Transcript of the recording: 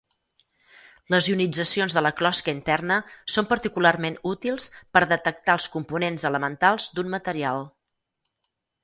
Les ionitzacions de la closca interna són particularment útils per detectar els components elementals d'un material.